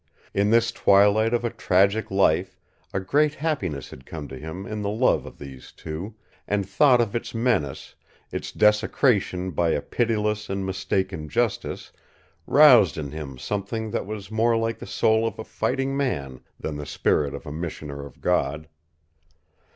In this twilight of a tragic life a great happiness had come to him in the love of these two, and thought of its menace, its desecration by a pitiless and mistaken justice, roused in him something that was more like the soul of a fighting man than the spirit of a missioner of God.